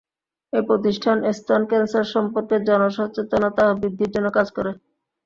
এই প্রতিষ্ঠান স্তন ক্যানসার সম্পর্কে জনসচেতনতা বৃদ্ধির জন্য কাজ করে।